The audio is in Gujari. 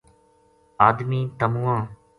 ادمی تمواں